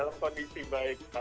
alhamdulillah dalam kondisi baik pak